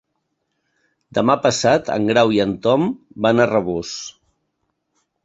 Demà passat en Grau i en Tom van a Rabós.